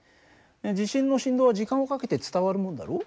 地震の振動は時間をかけて伝わるもんだろう？